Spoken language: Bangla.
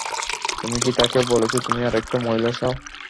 তুমি কি তাকে বলেছো তুমি আরেকটা মহিলা চাও?